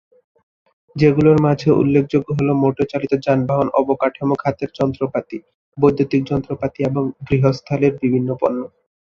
সেগুলোর মাঝে উল্লেখযোগ্য হল; মোটর চালিত যানবাহন, অবকাঠামো খাতের যন্ত্রপাতি, বৈদ্যুতিক যন্ত্রপাতি এবং গৃহস্থালির বিভিন্ন পণ্য।